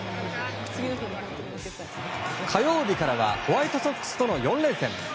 火曜日からはホワイトソックスとの４連戦。